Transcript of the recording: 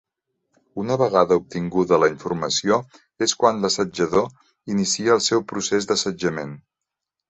Una vegada obtinguda la informació, és quan l'assetjador inicia el seu procés d'assetjament.